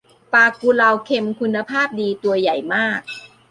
ปลากุเลาเค็มคุณภาพดี ตัวใหญ่มาก